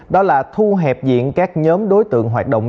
đó là thu hẹp diện các nhóm đối tượng hoạt động